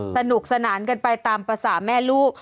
สนุกสนานกันไปตามภาษาแม่ลูก